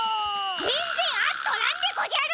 ぜんぜんあっとらんでごじゃる！